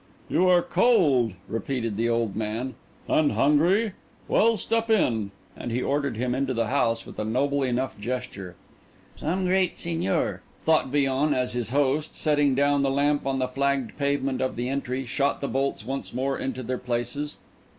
"You are cold," repeated the old man, "and hungry? Well, step in." And he ordered him into the house with a noble enough gesture. "Some great seigneur," thought Villon, as his host, setting down the lamp on the flagged pavement of the entry, shot the bolts once more into their places.